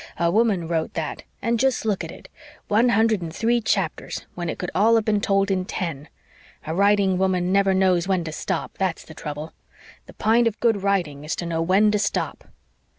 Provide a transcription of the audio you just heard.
"A woman wrote that and jest look at it one hundred and three chapters when it could all have been told in ten. A writing woman never knows when to stop; that's the trouble. The p'int of good writing is to know when to stop."